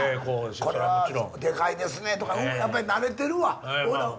これはでかいですねとかやっぱり慣れてるわ。